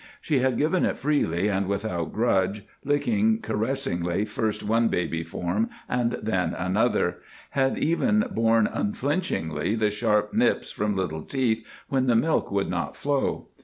She had given it freely and without grudge, licking caressingly first one baby form and then another; had even borne unflinchingly the sharp nips from little teeth when the milk would not flow.